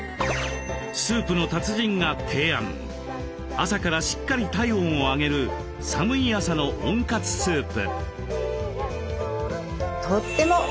朝からしっかり体温を上げる寒い朝の温活スープ。